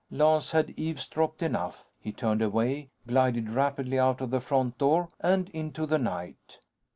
Lance had eavesdropped enough. He turned away, glided rapidly out the front door and into the night.